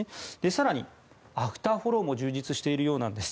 更に、アフターフォローも充実しているようなんです。